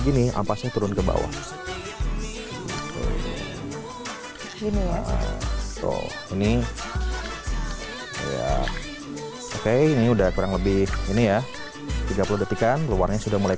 gini apa sih turun ke bawah ini ya oke ini udah kurang lebih ini ya tiga puluh detikan luarnya sudah mulai